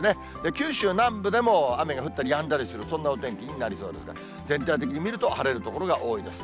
九州南部でも雨が降ったりやんだりする、そんなお天気になりそうですが、全体的に見ると、晴れる所が多いです。